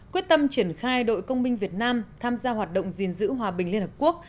quyết tâm triển khai đội công minh việt nam tham gia hoạt động gìn giữ hòa bình liên hợp quốc